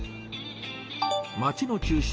街の中心